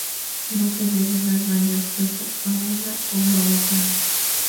No se debe dar mayor peso a una o a otra.